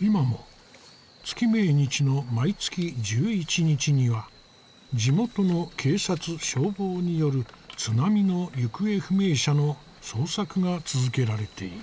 今も月命日の毎月１１日には地元の警察消防による津波の行方不明者の捜索が続けられている。